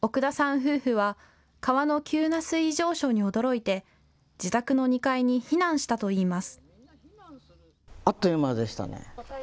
夫婦は川の急な水位上昇に驚いて自宅の２階に避難したといいます。